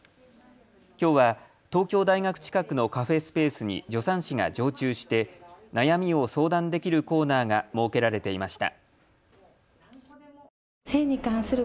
きょうは東京大学近くのカフェスペースに助産師が常駐して悩みを相談できるコーナーが設けられていました。